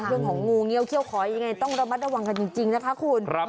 งูเงี้ยวเขี้ยขอยังไงต้องระมัดระวังกันจริงนะคะคุณ